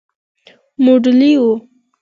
موندلې وه